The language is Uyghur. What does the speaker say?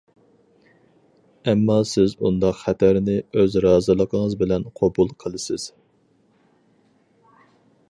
ئەمما سىز ئۇنداق خەتەرنى ئۆز رازىلىقىڭىز بىلەن قوبۇل قىلىسىز.